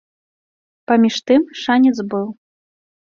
Паміж тым, шанец быў.